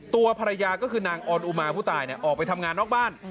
ตัวภรรยาก็คือนางออนอุมาผู้ตายออกไปทำงานนอกบ้าน